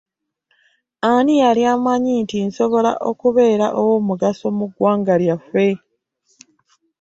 Ani yali amanyi nti nsobola okubeera ow'omugaso mu ggwanga lyaffe?